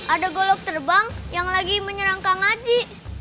ada golok terbang yang lagi menyerang kang aji